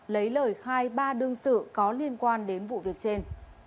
lấy lời khai ba đương sự có liên quan đến vụ việc trên